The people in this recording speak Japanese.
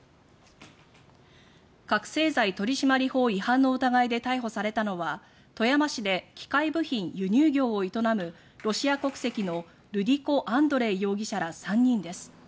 覚醒剤取締法違反の疑いで逮捕されたのは富山市で機械部品輸入業を営むロシア国籍のルディコ・アンドレイ容疑者ら３人です。